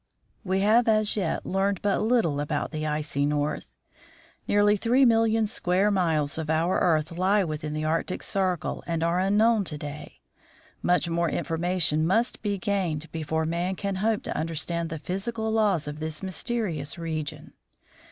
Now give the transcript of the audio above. We have as yet learned but little about the icy North. Nearly three million square miles of our earth lie within the Arctic circle and are unknown to day. Much more infor mation must be gained before man can hope to understand the physical laws of this mysterious region.